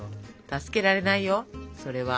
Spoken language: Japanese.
助けられないよそれは。